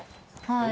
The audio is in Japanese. はい。